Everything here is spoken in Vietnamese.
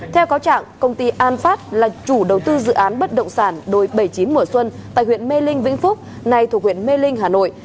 theo cáo trạng công ty an phát là chủ đầu tư dự án bất động sản đồi bảy mươi chín mùa xuân tại huyện mê linh vĩnh phúc nay thuộc huyện mê linh hà nội